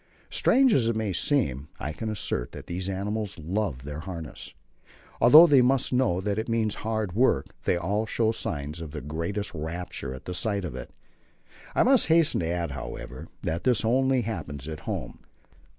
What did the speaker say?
Strange as it may seem, I can assert that these animals love their harness. Although they must know that it means hard work, they all show signs of the greatest rapture at the sight of it. I must hasten to add, however, that this only happens at home.